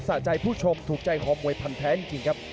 สะใจผู้ชมถูกใจคอมวยพันแท้จริงครับ